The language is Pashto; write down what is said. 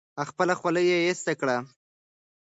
خپله خولۍ ایسته کړه.